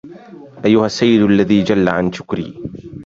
أيها السيد الذي جل عن شكري